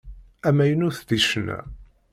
Amaynut deg ccna.